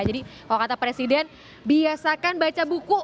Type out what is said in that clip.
jadi kalau kata presiden biasakan baca buku